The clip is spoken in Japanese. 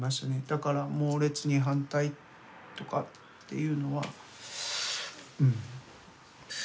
だから猛烈に反対とかっていうのは。